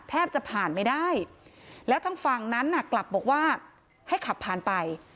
แทบจะผ่านไม่ได้แล้วทางฝั่งนั้นน่ะกลับบอกว่าให้ขับผ่านไป